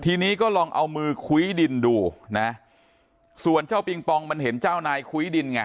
ทีนี้ก็ลองเอามือคุ้ยดินดูนะส่วนเจ้าปิงปองมันเห็นเจ้านายคุ้ยดินไง